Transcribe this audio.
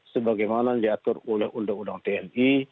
sebagaimana diatur oleh undang undang tni